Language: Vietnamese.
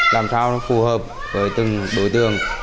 làm sao nó phù hợp với từng đối tương